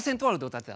歌ってた。